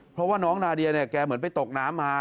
เพราะว่าน้องนาเดียเนี่ยแกเหมือนไปตกน้ำมา